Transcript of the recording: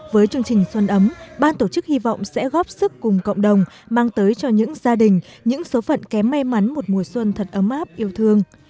với chương trình xuân ấm ban tổ chức hy vọng sẽ góp sức cùng cộng đồng mang tới cho những gia đình những số phận kém may mắn một mùa xuân thật ấm áp yêu thương